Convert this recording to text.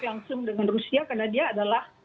langsung dengan rusia karena dia adalah